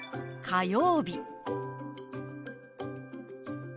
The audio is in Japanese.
火曜日。